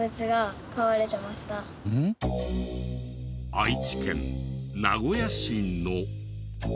愛知県名古屋市の。